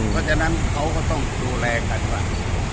เพราะฉะนั้นเขาก็ต้องดูแลกันว่า